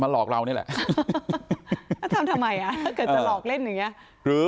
หลอกเรานี่แหละแล้วทำทำไมอ่ะถ้าเกิดจะหลอกเล่นอย่างเงี้ยหรือ